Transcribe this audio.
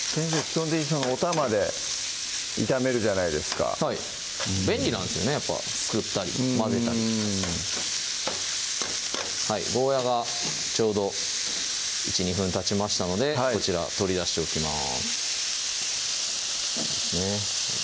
基本的にそのおたまで炒めるじゃないですかはい便利なんですよねやっぱすくったり混ぜたりゴーヤがちょうど１２分たちましたのでこちら取り出しておきます